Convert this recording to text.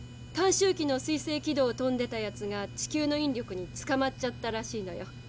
短周期のすい星軌道を飛んでたやつが地球の引力につかまっちゃったらしいのよ。